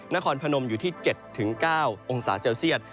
นครพนมอยู่ที่๗๙องศาเซลเซียต